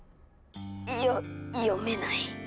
よ読めない。